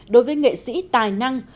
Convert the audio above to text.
đối với nghệ sĩ tài năng